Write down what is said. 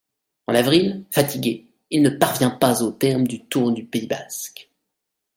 En avril, fatigué, il ne parvient pas au terme du Tour du Pays basque.